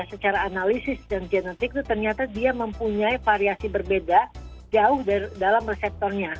karena analisis dan genetik itu ternyata dia mempunyai variasi berbeda jauh dalam reseptornya